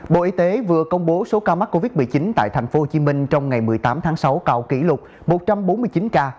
bộ y tế vừa công bố số ca mắc covid một mươi chín tại tp hcm trong ngày một mươi tám tháng sáu cao kỷ lục một trăm bốn mươi chín ca